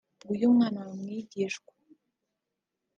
nguyu umwana wawe; mwigishwa